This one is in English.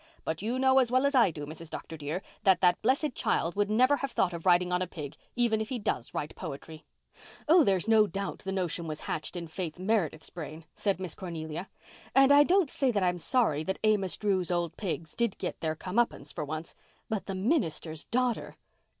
But you know as well as I do, Mrs. Dr. dear, that that blessed child would never have thought of riding on a pig, even if he does write poetry." "Oh, there's no doubt the notion was hatched in Faith Meredith's brain," said Miss Cornelia. "And I don't say that I'm sorry that Amos Drew's old pigs did get their come uppance for once. But the minister's daughter!"